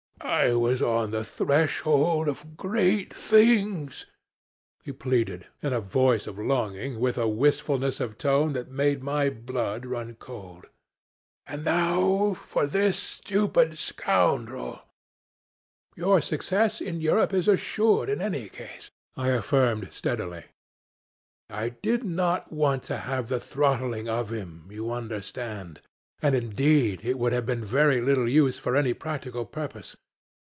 'I was on the threshold of great things,' he pleaded, in a voice of longing, with a wistfulness of tone that made my blood run cold. 'And now for this stupid scoundrel ' 'Your success in Europe is assured in any case,' I affirmed, steadily. I did not want to have the throttling of him, you understand and indeed it would have been very little use for any practical purpose.